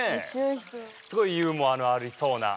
すごいユーモアのありそうな。